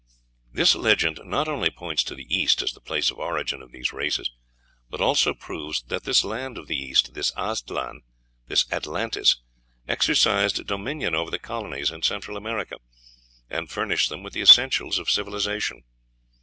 This legend not only points to the East as the place of origin of these races, but also proves that this land of the East, this Aztlan, this Atlantis, exercised dominion over the colonies in Central America, and furnished them with the essentials of civilization.